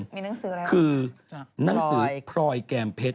มีหนังสืออะไรบ้างครับจากพรอยคือนังสือพรอยแกรมเพชร